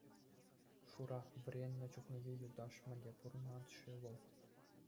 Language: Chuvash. Шура, вӗреннӗ чухнехи юлташ, мӗнле пурӑнать-ши вӑл?